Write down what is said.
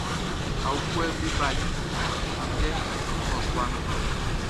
Aofuɛʼm be bali andɛ ndɔsua nun.